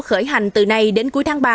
khởi hành từ nay đến cuối tháng ba